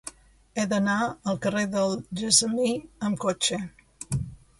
He d'anar al carrer del Gessamí amb cotxe.